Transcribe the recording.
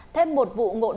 thêm một vụ ngộ đồng